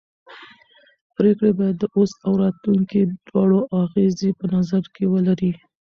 پرېکړې باید د اوس او راتلونکي دواړو اغېزې په نظر کې ولري